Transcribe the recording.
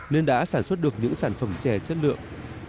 nên đã sản xuất được những sản phẩm chè chất lượng